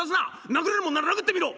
殴れるもんなら殴ってみろ！」。